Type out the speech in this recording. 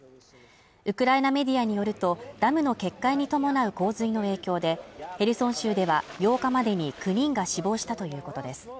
ウクライナメディアによると、ダムの決壊に伴う洪水の影響でヘルソン州では８日までに９人が死亡したということです。